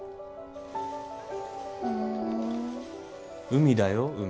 海だよ海。